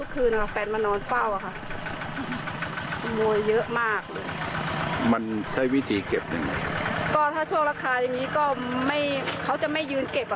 ค่ะแฟนนอนเป้าทุกคืน